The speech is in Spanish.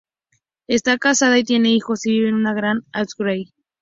Está casada y tiene hijos, y vive en una granja en Anglesey.